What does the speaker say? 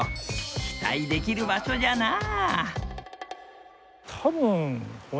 期待できる場所じゃなあ。